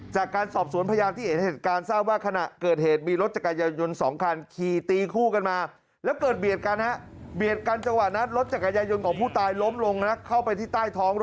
จากการศอบสวนพยาบิทยาละลุที่เหตุสิทธิ์การ